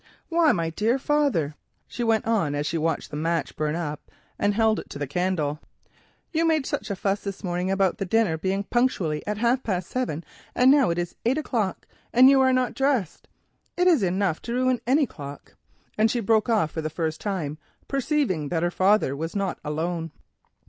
"Why, my dear father," she went on as she watched the candle burn up, "you made such a fuss this morning about the dinner being punctually at half past seven, and now it is eight o'clock and you are not dressed. It is enough to ruin any cook," and she broke off for the first time, seeing that her father was not alone.